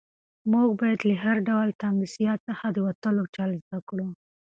موږ باید له هر ډول تنګسیا څخه د وتلو چل زده کړو.